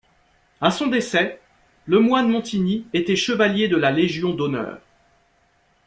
À son décès, Lemoine-Montigny était chevalier de la Légion d'honneur.